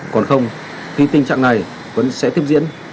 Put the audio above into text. còn không thì tình trạng này vẫn sẽ tiếp diễn